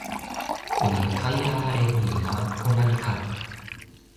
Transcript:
ona li pali ala e ni la pona li kama.